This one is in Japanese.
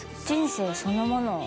人生そのもの